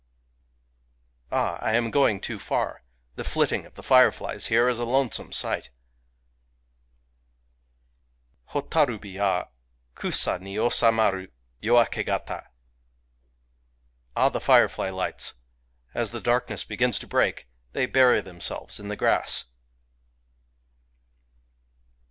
Ah, I am going too far !... The flitting of the fire flies here is a lonesome sight ! Hotarubi ya ! Kusa ni osamaru Yoakegata. Ah, the firefly lights ! As the darkness begins to break, they bury themselves in the grass.